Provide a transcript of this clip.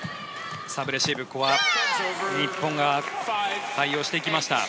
サーブレシーブ、ここは日本が対応していきました。